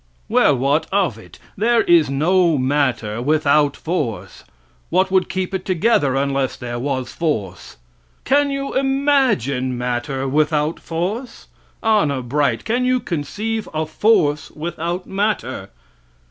Well, what of it? There is no matter without force. What would keep it together unless there was force? Can you imagine matter without force? Honor bright, can you conceive of force without matter?